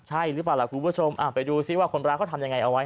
ใช่หรือเปล่าล่ะคุณผู้ชมไปดูซิว่าคนร้ายเขาทำยังไงเอาไว้